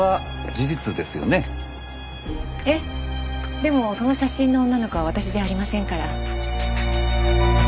でもその写真の女の子は私じゃありませんから。